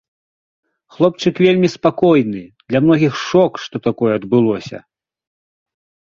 Хлопчык вельмі спакойны, для многіх шок, што такое адбылося.